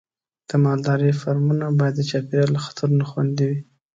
د مالدارۍ فارمونه باید د چاپېریال له خطرونو خوندي وي.